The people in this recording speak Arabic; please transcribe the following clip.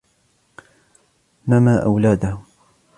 نمى أولاده.